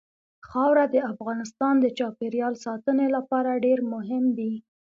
خاوره د افغانستان د چاپیریال ساتنې لپاره ډېر مهم دي.